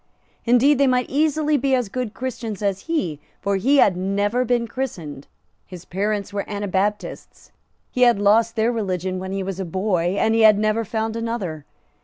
Indeed they might easily be as good Christians as he; for he had never been christened; his parents were Anabaptists; he had lost their religion when he was a boy; and he had never found another.